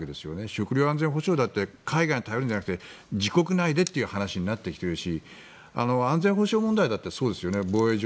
食料安全保障だって海外に頼るのではなくて自国内でという話になってきているし安全保障問題もそうですよね。